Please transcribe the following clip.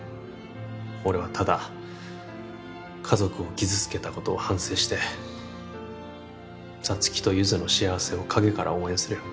俺はただ家族を傷つけたことを反省して沙月とゆづの幸せを陰から応援するよ